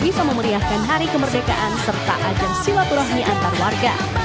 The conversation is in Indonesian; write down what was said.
bisa memeriahkan hari kemerdekaan serta ajan silat rohani antar warga